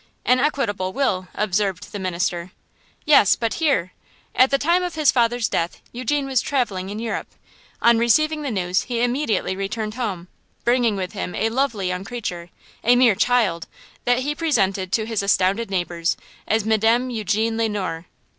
"An equitable will," observed the minister. "Yes; but hear! At the time of his father's death Eugene was traveling in Europe. On receiving the news he immediately returned home, bringing with him a lovely young creature, a mere child, that he presented to his astounded neighbors as Madame Eugene Le Noir!